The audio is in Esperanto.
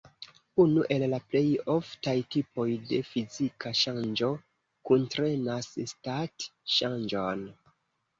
Unu el la plej oftaj tipoj de fizika ŝanĝo kuntrenas stat-ŝanĝon.